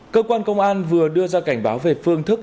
cơ quan công an vừa đưa ra cảnh báo về phương thức